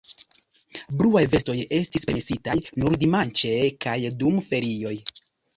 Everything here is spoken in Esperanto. Bluaj vestoj estis permesitaj nur dimanĉe kaj dum ferioj.